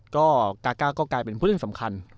กากากก็กลายเป็นผู้ที่สำคัญ